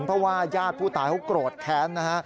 เพราะว่าญาติผู้ตายเขาโกรธแค้นนะฮะ